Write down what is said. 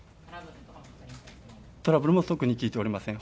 トラブルも特に聞いておりません。